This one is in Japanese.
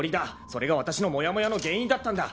それが私のモヤモヤの原因だったんだ。